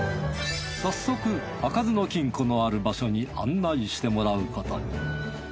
早速開かずの金庫のある場所に案内してもらうことに。